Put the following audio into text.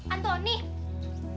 ada apa sih sebenernya